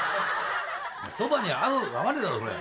そばに合う合わねえだろそれ。